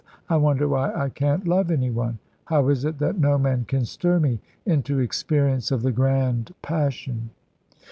I wonder why I can't love any one. How is it that no man can stir me into experience of the grand passion?"